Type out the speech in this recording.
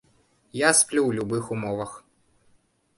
Я сплю ў любых умовах.